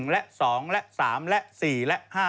และ๒และ๓และ๔และ๕